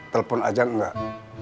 telepon aja enggak